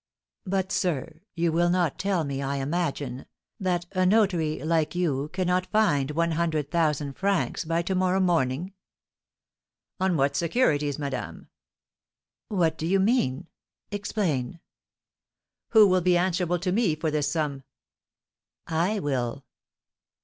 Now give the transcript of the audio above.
"But, sir, you will not tell me, I imagine, that a notary, like you, cannot find one hundred thousand francs by to morrow morning?" "On what securities, madame?" "What do you mean? Explain!" "Who will be answerable to me for this sum?" "I will."